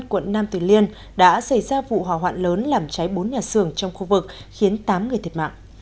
quận nam từ liên đã xảy ra vụ hỏa hoạn lớn làm cháy bốn nhà xưởng trong khu vực khiến tám người thiệt mạng